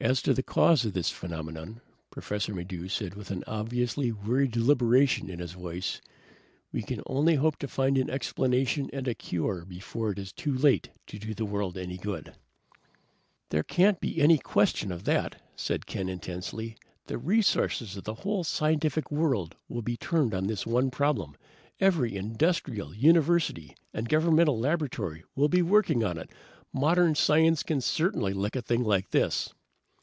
"As to the cause of this phenomenon," Professor Maddox said with an obviously weary deliberation in his voice, "we can only hope to find an explanation and a cure before it is too late to do the world any good." "There can't be any question of that!" said Ken intensely. "The resources of the whole scientific world will be turned on this one problem. Every industrial, university, and governmental laboratory will be working on it. Modern science can certainly lick a thing like this!"